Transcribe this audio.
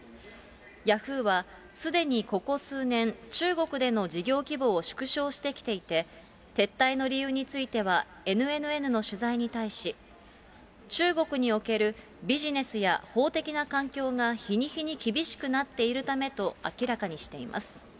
ヤフーは、すでにここ数年、中国での事業規模を縮小してきていて、撤退の理由については、ＮＮＮの取材に対し、中国におけるビジネスや法的な環境が日に日に厳しくなっているためと明らかにしています。